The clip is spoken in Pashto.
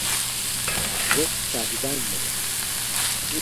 زه شاهدان لرم !